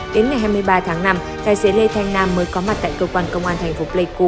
đến ngày hai mươi ba tháng năm tài xế lê thanh nam mới có mặt tại cơ quan công an thành phố pleiku